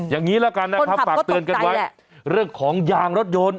อย่างงี้แล้วกันนะครับฝากเตือนกันไว้คนขับก็ตกใจแหละเรื่องของยางรถยนต์